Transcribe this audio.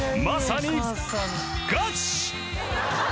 ［まさに］